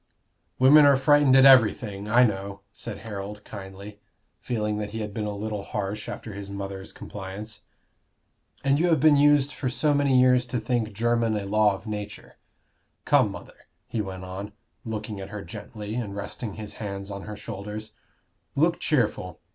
"Women are frightened at everything I know," said Harold, kindly, feeling that he had been a little harsh after his mother's compliance. "And you have been used for so many years to think Jermyn a law of nature. Come, mother," he went on, looking at her gently, and resting his hands on her shoulders, "look cheerful.